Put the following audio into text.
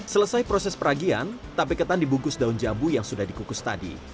selesai proses peragian tape ketan dibungkus daun jambu yang sudah dikukus tadi